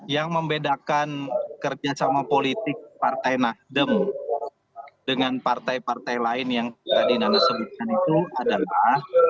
yang membedakan kerjasama politik partai nasdem dengan partai partai lain yang tadi nana sebutkan itu adalah